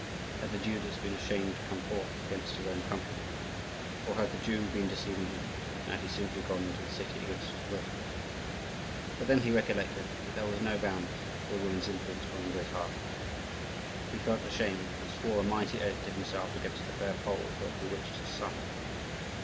Had the Judas been ashamed to come forth against his own countrymen? or had the Jew been deceiving him, and had he simply gone into the city against his will? But then he recollected that there were no bounds to a woman's influence upon Andrii's heart; he felt ashamed, and swore a mighty oath to himself against the fair Pole who had bewitched his son.